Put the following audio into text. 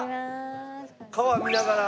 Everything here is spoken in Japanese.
川見ながら。